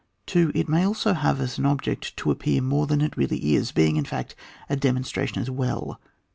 2. It may also have as an object to appear more than it really is, being, in fact, a demonstration as well.